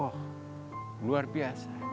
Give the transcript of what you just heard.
orang yang tidak bisa berpikir pikir